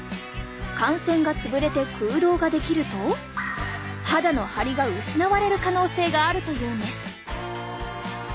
汗腺が潰れて空洞ができると肌のハリが失われる可能性があるというんです。